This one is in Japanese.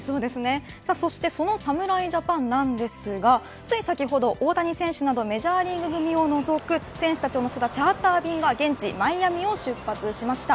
そしてその侍ジャパンなんですがつい先ほど大谷選手などメジャーリーグ組を除く選手たちを乗せたチャーター便が現地、マイアミを出発しました。